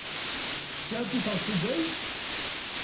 Tesɛid tiferṣuday?